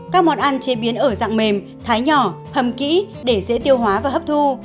các món ăn chế biến ở dạng mềm thái nhỏ hầm kỹ để dễ tiêu hóa và hấp thu